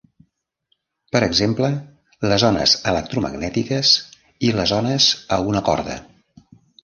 Per exemple, les ones electromagnètiques i les ones a una corda.